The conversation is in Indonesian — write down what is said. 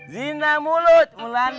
zina mulut melalui pandangan